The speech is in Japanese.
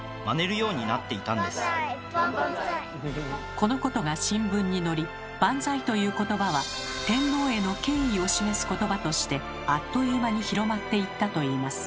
このことが新聞に載り「バンザイ」ということばは天皇への敬意を示すことばとしてあっという間に広まっていったといいます。